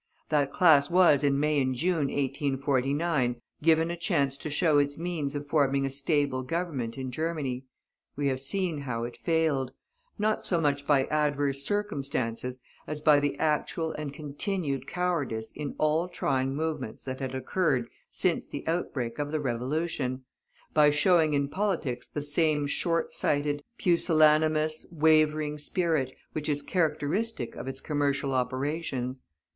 That class was, in May and June, 1849, given a chance to show its means of forming a stable Government in Germany. We have seen how it failed; not so much by adverse circumstances as by the actual and continued cowardice in all trying movements that had occurred since the outbreak of the revolution; by showing in politics the same shortsighted, pusillanimous, wavering spirit, which is characteristic of its commercial operations.